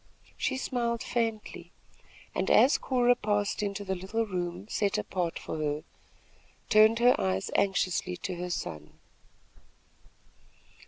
She smiled faintly and, as Cora passed into the little room set apart for her, turned her eyes anxiously to her son.